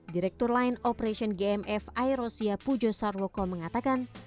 direktur line operation gmf air rusia pujo sarwoko mengatakan